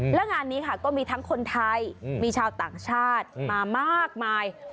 และงานนี้ค่ะก็มีทั้งคนไทยมีชาวต่างชาติมามากมาย